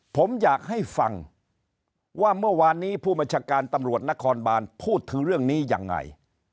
ผมอยากให้ฟังว่าเมื่อวานนี้ผู้บัญชาการตำรวจนครบานพูดถึงเรื่องนี้ยังไง